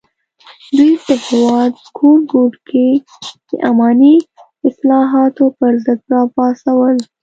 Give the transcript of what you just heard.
دوی په هېواد ګوټ ګوټ کې د اماني اصلاحاتو پر ضد راپاڅول.